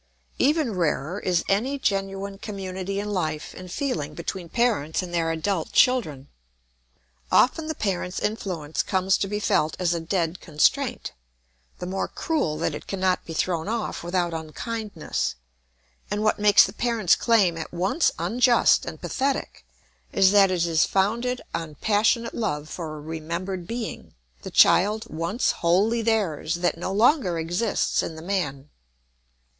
Even rarer is any genuine community in life and feeling between parents and their adult children. Often the parent's influence comes to be felt as a dead constraint, the more cruel that it cannot be thrown off without unkindness; and what makes the parents' claim at once unjust and pathetic is that it is founded on passionate love for a remembered being, the child once wholly theirs, that no longer exists in the man.